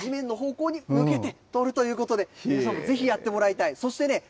もうカメラを地面の方向に向けて撮るということで、皆さんもぜひやってもらいたい。